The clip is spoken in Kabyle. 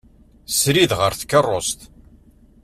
Srid ɣer tkerrust.